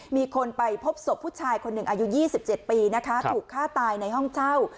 มีคนไปพบศพผู้ชายคนหนึ่งอายุ๒๗ปีนะคะถูกฆ่าตายในห้องเช่า